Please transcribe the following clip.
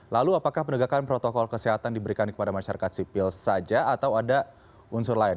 lalu apakah penegakan protokol kesehatan diberikan kepada masyarakat sipil saja atau ada unsur lain